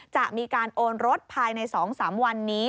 จะมีการโอนรถภายใน๒๓วันนี้